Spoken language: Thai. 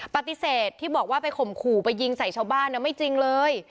ปฏิเสธที่บอกว่าไปข่มขู่ไปยิงใส่ชาวบ้านไม่จริงเลย